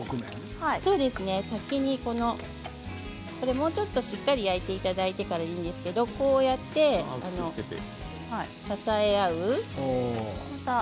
先にもうちょっとしっかり焼いていただいていいんですけれどこうやって支え合う。